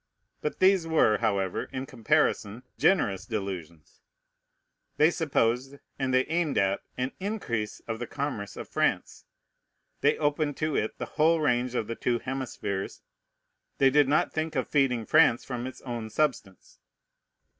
But these were, however, in comparison, generous delusions. They supposed, and they aimed at, an increase of the commerce of France. They opened to it the whole range of the two hemispheres. They did not think of feeding France from its own substance.